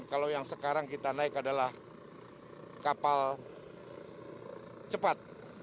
kalau yang sekarang kita naik adalah kapal cepat